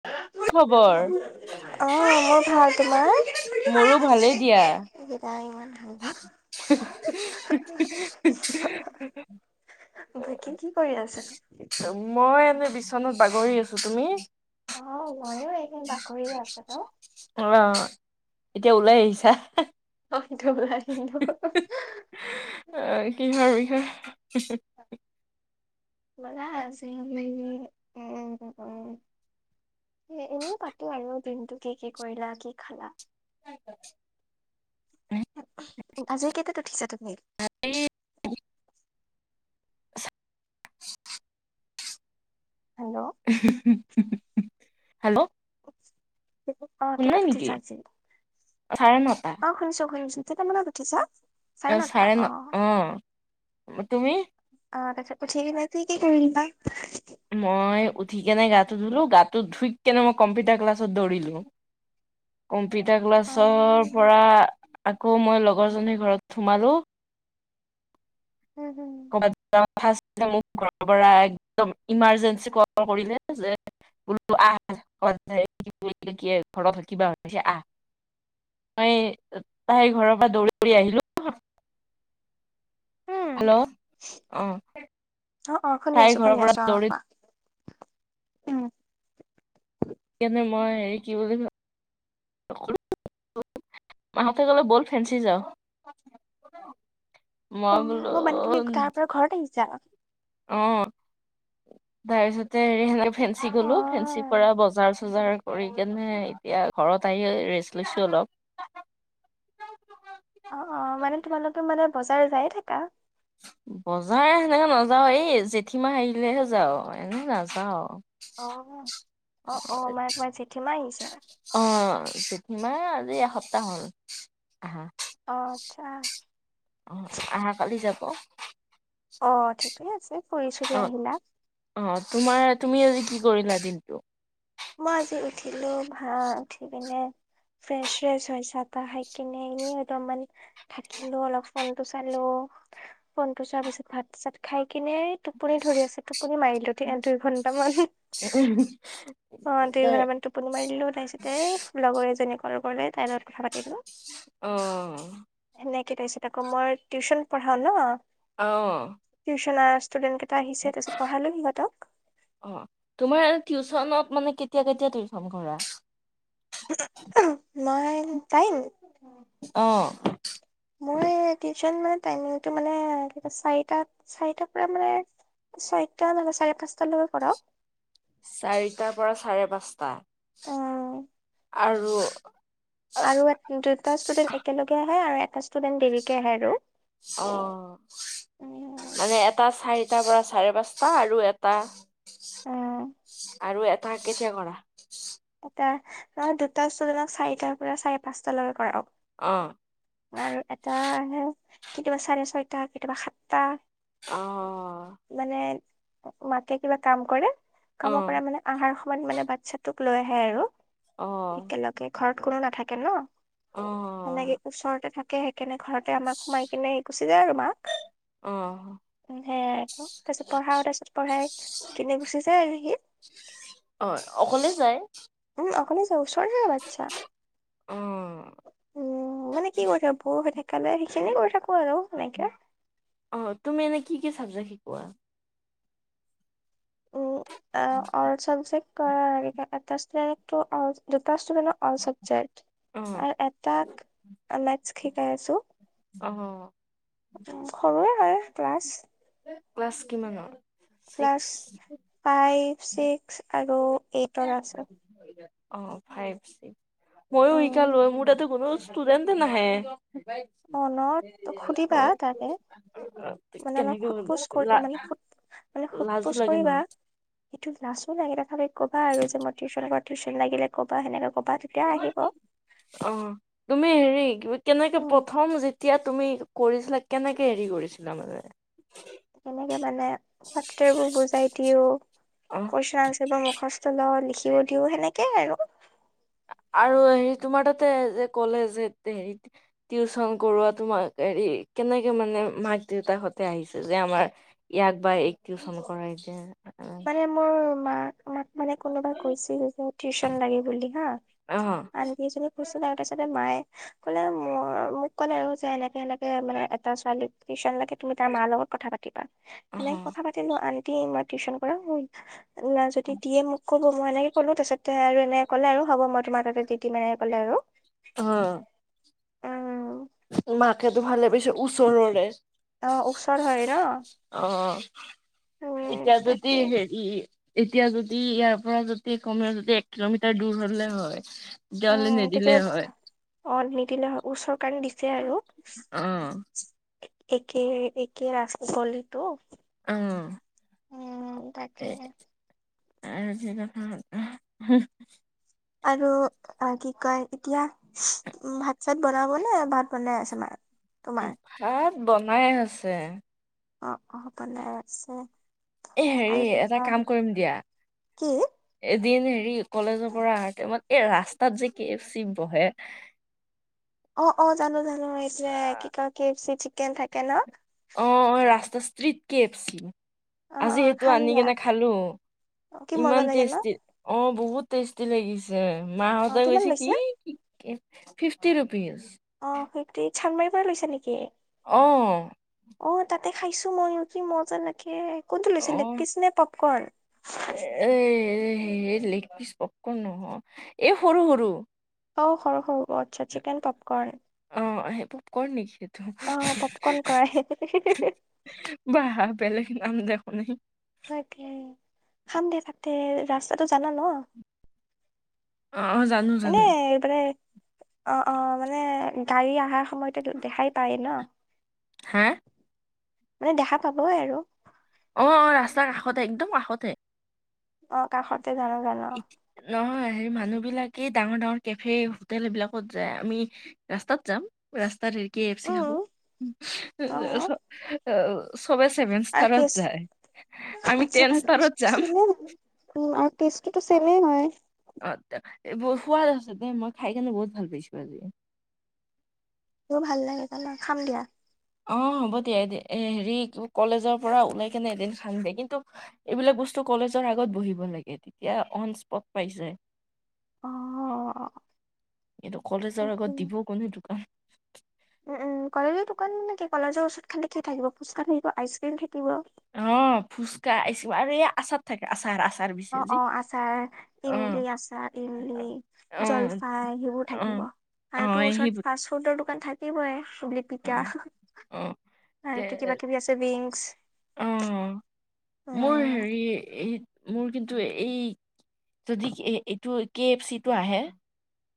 অ খবৰ মোৰ ভাল তোমাৰ মোৰো ভালেই দিয়া। এইকেইটা ইমান ভাল [unintelligible] বাকী কি কৰি আছে মই এনেই বিচনাত বাগৰি আছো তুমি অ ময়ো এনে বাগৰিয়ে আছিলো অ এতিয়া ওলাই আহিছা [unintelligible] অহ কিহৰ বিষয় [unintelligible] এ এনেই পাতো আৰু দিনটো কি কি কৰিলা কি খালা। [unintelligible] আজি কেইটাত উঠিছা তুমি [unintelligible] [unintelligible] হেল্ল'। হেল্ল'। [unintelligible] অঁ', শুনা নাই কেইটাত নেকি উঠিছা আজি? চাৰে নটা অঁ', শুনিছো-শুনিছো কেইটা মানত উঠিছা? নটা চাৰে অ ন' অঁহ',। তুমি? অঁহ', - তাৰ পাছত উঠি কিনে কি কি কৰিলা? মই উঠি কিনাই গাটো ধুলো, গাটো ধুই কিনাই মই কম্পিউটাৰ ক্লাছত দৌৰিলো। কম্পিউটাৰ অ ক্লাছৰ পৰা- আকৌ মই লগৰজনীৰ ঘৰত সোমালো। উম, হুম। [unintelligible] ফাৰ্ষ্টটে ঘৰৰ পৰা একদম ইমাৰজেঞ্চি ক'ল কৰিলে যে- বোলো আহ, ঘৰত কিবা হৈছে আহ। মই তাই ঘৰৰ পৰা দৌৰি-দৌৰি আহিলো। উম হেল্ল' অঁহ', অ অ - শুনি তাইৰ আছো শুনি ঘৰৰ পৰা আছো অ দৌৰি- কোৱা উম কিনে মই হেৰি কি বুলি [unintelligible] তাহাতে ক'লে ব'ল ফেন্ঞ্চি যাওঁ। মই বোলো অ', মানে তুমি তাৰ পৰা ঘৰত আহিছা? অঁহ', - তাৰপিছতে হেৰি সেই ফেঞ্চি অ গ'লো, ফেঞ্চিৰ পৰা বজাৰ। বজাৰ কৰি কেনে এতিয়া ঘৰত আহি ৰেষ্ট লৈছোঁ অলপ। অঁহ', -অঁহ', - মানে তোমালোকে মানে বজাৰ যায়ে থাকা? বজাৰ সেনেকে নাযাওঁ, এই জেঠীমাহ আহিলে'হে যাওঁ, এনেই নাযাওঁ। অ', -অহ', - অহ', - মানে তোমাৰ জেঠীমা আহিছে? অঁ', জেঠীমাহ আজি এসপ্তাহ হ'ল আহা। অ' আচ্ছা। অহাকালি যাব। অ', ঠিকেই আছে। ফুৰি চুৰি অহ', আহিলা -অঁহ', তোমাৰ, তুমি আজি কি কৰিলা দিনটো? মই আজি উঠিলো, ভাল, উঠি পিনে- ফ্ৰেছ-ফ্ৰেছ, চাহ-তাহ খাই কিনে এনেই অলপমান- থাকিলো অলপ ফোনটো চালো। ফোনটো চোৱাৰ পিছত ভাত-চাত খাই কিনে টোপনি ধৰি আছিল। টোপনি মাৰিলো এক-দুই ঘন্টামান। [unintelligible] অ' দুইঘন্টামান টোপনি মাৰি দিলো তাৰ পিছতে এই লগৰ এজনীয়ে ক'ল কৰিলে তাইৰ লগত কথা পাতিলো। অ'। সেনেকে তাৰপিছত আকৌ মই টিউচন পঢ়াও ন? অঁ। টিউচনৰ ষ্টুডেণ্ট কেইটা আহিছে তাৰপিছত পঢ়ালো সিহঁতক। অ', তোমাৰ আৰু টিউচনত মানে কেতিয়া-কেতিয়া টিউচন কৰা? মই টাইম? অঁ। মই টিউচন মানে টাইমিংটো মানে কিবা চাৰিটাত- চাৰিটাৰ পৰা মানে ছয়টা নহ'লে বা চাৰে পাঁচটা লৈছে কৰাও। চাৰিটাৰ পৰা চাৰে পাঁচটা। অঁ আৰু আৰু দুটা ষ্টুডেন্ট একেলগে আহে আৰু এটা ষ্টুডেণ্ট দেৰিকে আহে আৰু। অহ মানে এটা চাৰিটাৰ পৰা চাৰে পাঁচটা আৰু এটা উম আৰু এটা কেতিয়া কৰা? এটা, নহয় দুটা ষ্টুডেণ্টক চাৰিটাৰ পৰা চাৰি পাঁচটালৈকে কৰাও। অঁ আৰু এটা কেতিয়াবা চাৰে ছয়টা কেতিয়াবা সাতটা। অঁ মানে মাকে কিবা কাম কৰে, অ কামৰ পৰা মানে আহাৰ সময়ত মানে বাচ্ছা টোক লৈ আহে আৰু অ একেলগে ঘৰত কোনো নাথাকে ন'। অঁ সেনেকে ওচৰতে থাকে, সেইকাৰণে ঘৰতে আমাক সোমাই কিনে গুচি যায় আৰু মাক। অঁ। উম সেয়াই আক, তাৰ পিছত পঢ়াও তাৰ পিছত পঢ়াই কিনি গুচি যায় আৰু সি। হয়, অকলে যায়? উম, অকলে যাই ওচৰৰে বাচ্ছা। অঁ উম, মানে কি কৰি থাকো বৰ হৈ থাকিলে সেইখিনিয় কৰি থাকো আৰু এনেকে। অঁ, তুমি এনে কি কি চাবজেক্ট শিকোৱা? এ অল চাবজেক্ট কৰা আৰু টো অল দুটা ষ্টুডেণ্টক অল চাবজেক্ট আৰু এটাক মেথছ শিকাই আছো। অ। সৰুৱে হয় ক্লাছ। ক্লাছ কিমানৰ? ক্লাছ ছিক্স ফাইভ ছিক্স আৰু এইটৰ আছে অ, ফাইভ চ, ময়ো শিকা উম ল মোৰ তাতো কোনো ষ্টুডেণ্টে নাহে। অ, ন' অ সুধিবা তাকে। মানে অলপ কেনেকে সোধ পোছ লা কৰি মানে সোধ পো মানে সোধ লাজো পোছ লাগে কৰিবা। নহয় এইটো লাচো লাগে তথাপি কবা আৰু যে মই টিউশ্যন ঘৰত টিউশ্যন লাগিলে কবা‌ সেনেকে কবা তেতিয়া আহিব। অঁ, তুমি হেৰি কেনেকে উম প্ৰথম যেতিয়া তুমি কৰিছিলা কেনেকে হেৰি কৰিছিলা মানে? কেনেকে মানে ছাত্ৰীবোৰ বুজাই দিও। অঁ পইচা আছে ন, মুখস্থ লঁও লিখিও দিওঁ সেনেকে আৰু। আৰু হেৰি তোমাৰ তাতে যে ক'লে যে হেৰি টিউশ্যন কৰোৱা তোমাক হেৰি কেনেকে মানে মাক দেউতাক সতে আহিছে যে আমাৰ এইয়াক এইবাৰ এইক টিউশ্যন কৰাই দিয়া। মোৰ মানে মাক মাক মানে কোনোবাই কৈছিল যে টিউশ্যন লাগে বুলি হা, অ আন্তি এজনী কৈছিলে তাৰপিছতে মায়ে কলে মোৰ মোক ক'লে আৰু যে এনেকে এনেকে মানে এটা ছোৱালী টিউশ্যন লাগে। তুমি তাৰ মাৰ লগত কথা পাতিবা অ সেনেকে কথা পাতিলো আন্টি টিউশ্যন কৰাবৈ। ওলা যদি দিয়ে মোক ক'ব। মই এনেকে ক'লোঁ তাছতে আৰু এনে কলে হব মই তোমাক তাতে দি দিম এনে ক'লে আৰু। অঁ! উম মাকে দুহালে পিচে ওচৰৰে। অঁ উচৰ হয় ন'। অঁ উম এতিয়া যদি তাকে হেৰী এতিয়া যদি ইয়াৰ পৰা যদি কমেও যদি এক কিলোমিটাৰ দূৰ হ'লে হয়। চিয় লিলীলি তেতিয়াও ভাবা অ নিদিলে হয় ওচৰ কাৰণে দিছে আৰু। অ', একেই একেই ৰাস্তা গলি তো। অঁ! উমঁ তাক- এহ এহেহে হোহ আৰু- অঁ কি কয় এতিয়া উমঁ ভাত চাত বনাবনে ভাত বনাই আছে মায়ে? তোমাৰ ভাত বনাই আছে। অঁ অঁ বনাই আছে। এ হেৰি আৰু এটা তোমাৰ কাম কৰিম দিয়া। কি এদিন হেৰি কলেজৰ পৰা অহাৰ টাইমত এই ৰাস্তাত যে কে এফ চি বহে অঁ অঁ জানো জানো এ যে কি কয় কে এফ চি চিকেন থাকে ন। অঁ অঁ ৰাস্তা স্ত্ৰিত কে কেফছি। অ অ আজি সেইটো খাম আনি দিয়া কিনে খালো কি মজা ইমান লাগে ন টেষ্টি অ বহুত টষ্টি। লাগিছে অ মাহতে কিমান কৈছে কি লৈছে কি ফিফটি ৰুপিজ। অঁ সেই চান্মাৰীৰ পৰা লৈছে নেকি? অঁ। অঁ তাতে খাইছো মইও কি মজা লাগে কোণটো অ লৈছিলে লেকপিচ নে পপকৰ্ণ। এ হেই লেগ পিচ পপকৰ্ণ নহয় এই সৰু সৰু। অঁ সৰু সৰু আচ্ছা চিকেন পপকৰ্ন। অঁ সেইবোৰ পৰ নিখেত। অঁ পপকৰ্ন কৰাই হে হেই বা বেলেগ নাম দেখোন এই। তাকে খান দে তাতে ৰাস্তাটো জানা ন। অ অ জানো এনে জানো মানে অঁ অঁ মানে গাড়ী অহাৰ সময়তে দেখাই পায় ন। হা। মানে দেখা পাবই আৰু। অঁ অঁ ৰাস্তাৰ কাষতে একদম কাষতে। অঁ কাষতে জানো জানো অ। ইত- নহয় হেৰি মানুহ বিলাকে ডাঙৰ ডাঙৰ কেফে হোটেল এইবিলাকত যায় আমি ৰাস্তাত যাম ৰাস্তাত হেৰিকে এফচি খাব উম যাচ অ অঁ চবে ছেভেন আৰু সষ্টাৰত টেষ্ট যায় আমি টেন সষ্টাৰত যাম। উমঁ আৰু কেষ্টটোতো চেমেই হয়। অঁ বহুত সোৱাদ আছে দে মই খাই কেনে বহুত ভাল পাইছো আজি। মোৰো ভাল লাগে জান খাম দিয়া। অঁ হ'ব দিয়া এ হেৰি কলেজৰ পৰা ওলাই কিনে এদিন খাম দিয় কিন্তু এইবিলাক বস্তু কলেজৰ আগত বহিব লাগে তেতিয়া অন স্পট পাইছে। অ'। এইটো কলেজৰ তাকে। আগত দিবও কনে দোকান। উম উম কলেজৰ দোকান নে কি কলেজৰ ওচৰত খালি কিয় থাকিব ফোচকা থাকিব আইচ ক্ৰীম থাকিব। অ', ফুচকা আহিছিল আৰু এই আচাৰ থাকে আচাৰ আচাৰ বিছে অ', অ', আচাৰ ইমলি আচাৰ ইমলি জলফাই সেইবোৰ থাকিব আৰু তোৰ সেই ওচৰত ফাষ্ট ফুডৰ দোকান থাকিবই অ পিঠা অ কে আৰুটো কিবা কিবি আছে অ উইংছ। মোৰ উম হেৰি এই। মোৰ কিন্তু এই যদি এইটো কে এফ চিটো আহে।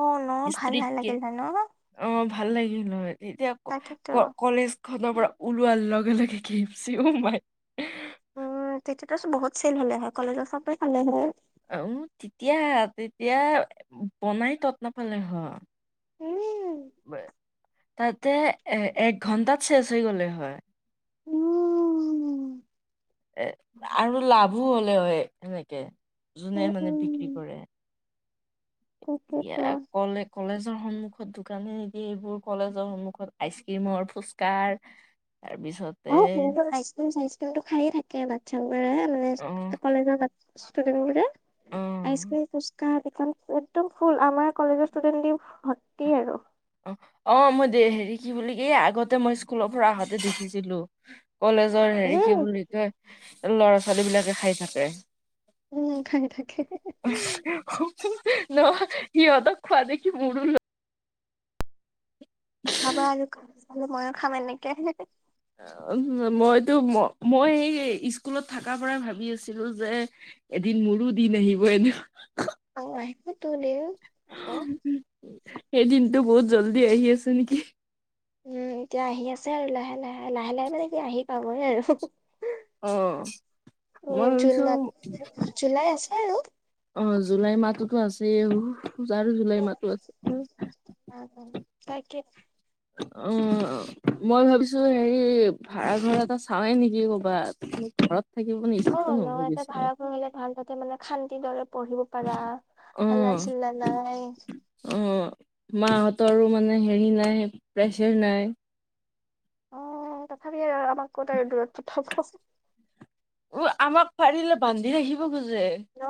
অ ন ভাল ষ্ট্ৰীট ভাল কে লাগিল হয় ন অ', ভাল লাগিল তেতিয়া তাকেতো ক কলেজ খনৰ পৰা ওলোৱাৰ লগে লগে কে এফ চি ও মাই তেতি বহুত চেল হলে হয় কলেজৰ চবে খালে হয়। উ তেতিয়া তেতিয়া বনাই তত নাপালে হয়। উম তাতে এ এক ঘন্টাত শেচ হৈ গ'লে হয়। উম। এ আৰু লাভো হলে হয় সেনেকে যোনে মানে বিক্ৰী উম কৰে। তাকেতো তিয়া কলে কলেজৰ সন্মুখত দোকানে নেকি এইবোৰ কলেজৰ সন্মুখত আইচ ক্ৰীমৰ ফুচকাৰ তাৰপিছত অ', স আইছ ক্ৰীম চাইছ ক্ৰীম ত খাইয়ে থাকে বাচ্ছা বোৰে মানে অ কলেজৰ ষ্টুডেট ‍বোৰে। অ আইচকিম ফুচকা এই একদম ফুল আমাৰ কলেজৰ ষ্টুডেন্ট দি ভৰ্তি আৰু। অ অ মই দে হেৰি কি বুলি এই আগতে মই স্কুলৰ পৰা আহোঁতে দেখিছিলো। কলেজৰ হেৰি কি উম বুলি কয় ল'ৰা ছোৱালী বিলাকে খাই থাকে। উম খাই থাকে নহয় সিহঁত খোৱা দেখি মোৰ। হাবা আৰু চ ময়ো খাম এনেকে। মইতো ম মই এই স্কুলত থকাৰ পৰাই ভাবি আছিলো যে। এদিন মোৰো দিন আহিব এনে। অ আহিব তো দে আকৌ। সেই দিনতটো বহুত জল্দি আহি আছে নেকি। উম এতিয়া আহি আছে আৰু লাহে লাহে লাহে লাহে মানে এতিয়া আহি পাবয়ে আৰু। অ', এ মই ভাবিছো জুনত জুলাই আছে আৰু। অ', জুলাই মাহতো ত আছেই আৰু। বাৰু জুলাই মাহটো আছে তাকে অ'। মই ভাবিছো হেৰি ভাড়াঘৰ এটা চাওৱে নেকি কৰ'বাত ঘৰত। থাকিব নেকি। অ ন এটা ভাড়াঘৰ হলে ভাল। ত মানে শান্তিৰ দৰে পঢ়িব পাৰা হাল্লা অ', চিল্লা নাই। অ মাহঁতৰো মানে হেৰি নাই প্ৰেচাৰ নাই। অ তথাপি আৰু আমাক ক'ত আৰু দূৰত পঠাব। উ আমাক পাৰিলে বান্ধি ৰাখিব খোজে। ন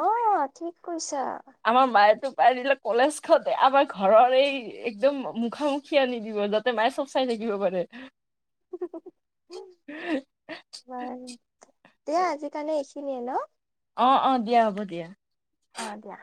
ঠিক কৈছা। আমাৰ মায় তো পাৰিলে কলেজ খতে আমাৰ ঘৰৰ এই। একদম মুখামুখি আনি দিব যাতে মায়ে চব চাই থাকিব পাৰে। [inaudible] দিয়া আজিকালি এইখিনিয়ে ন অ অ দিয়া হ'ব দিয়া। অ দিয়া